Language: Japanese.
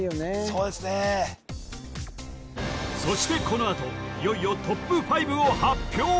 そうですねそしてこのあといよいよトップ５を発表